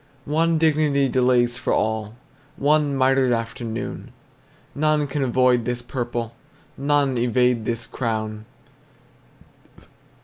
One dignity delays for all, One mitred afternoon. None can avoid this purple, None evade this crown.